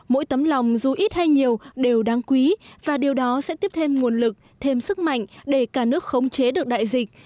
mỗi tấm lòng dù ít hay nhiều đều đáng quý và điều đó sẽ tiếp thêm nguồn lực thêm sức mạnh để cả nước khống chế được đại dịch